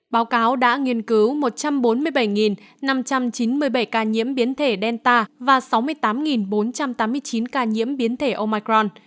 báo cáo đã nghiên cứu một trăm bốn mươi bảy năm trăm chín mươi bảy ca nhiễm biến thể delta và sáu mươi tám bốn trăm tám mươi chín ca nhiễm biến thể omicron